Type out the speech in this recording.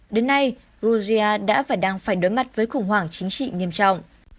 đến nay georgia đã và đang phải đối mặt với khủng hoảng chính trị nghiêm trọng